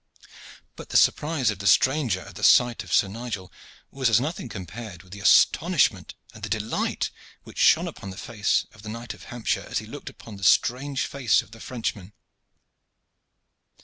But the surprise of the stranger at the sight of Sir Nigel was as nothing compared with the astonishment and the delight which shone upon the face of the knight of Hampshire as he looked upon the strange face of the Frenchman.